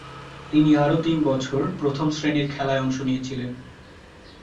তিনি আরও তিন বছর প্রথম-শ্রেণীর খেলায় অংশ নিয়েছিলেন।